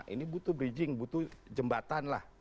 ini butuh bridging butuh jembatan lah